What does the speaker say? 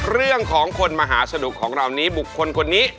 เรื่องของคนมหาสนุกของเรานี้บุคคลคนนี้